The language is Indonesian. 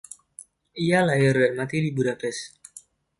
Ia lahir dan mati di Budapest.